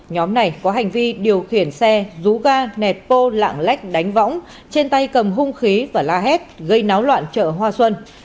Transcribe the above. nhóm này có hành vi điều khiển xe rú ga nẹt bô lạng lách đánh võng trên tay cầm hung khí và la hét gây náo loạn chợ hoa xuân